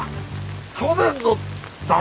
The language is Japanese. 去年の夏？